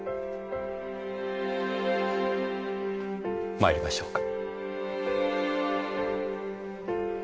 参りましょうか。